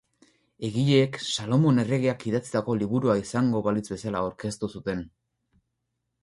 Egileek Salomon erregeak idatzitako liburua izango balitz bezala aurkeztu zuten.